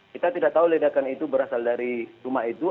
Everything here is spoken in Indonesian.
kita tidak tahu ledakan itu berasal dari rumah itu